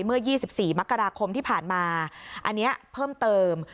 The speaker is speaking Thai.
เมื่อ๒๔มกราคมที่ผ่านมาอันนี้เพิ่มเติม